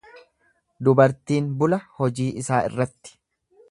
Dubartiin bula hojii isaa irratti.